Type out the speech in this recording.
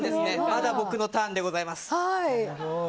まだ僕のターンでございます。